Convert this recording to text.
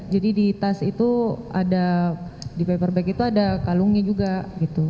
jadi di tas itu ada di paper bag itu ada kalungnya juga gitu